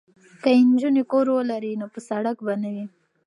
که نجونې کور ولري نو په سړک به نه وي.